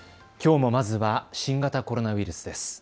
きょうもまずは新型コロナウイルスです。